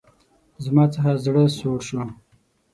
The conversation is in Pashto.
زما څخه زړه سوړ شو.